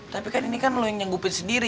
tapi kan ini kan lo yang nyanggupin sendiri